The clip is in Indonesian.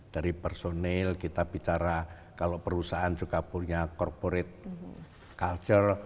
dari personil kita bicara kalau perusahaan juga punya corporate culture